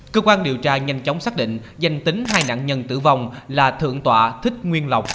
cơ quan điều tra nhanh chóng xác định danh tính hai nạn nhân tử vong là thượng tọa thích nguyên lộc